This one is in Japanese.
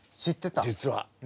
実は。